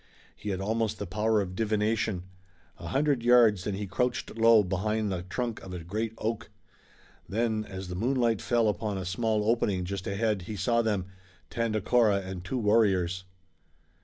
He had almost the power of divination. A hundred yards, and he crouched low behind the trunk of a great oak. Then as the moonlight fell upon a small opening just ahead he saw them, Tandakora and two warriors.